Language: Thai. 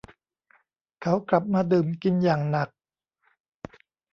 เขากลับมาดื่มกินอย่างหนัก